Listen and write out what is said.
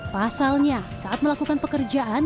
pasalnya saat melakukan pekerjaan